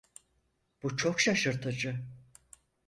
Bu çok şaşırtıcı.